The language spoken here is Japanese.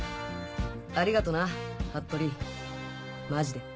ありがとな服部マジで。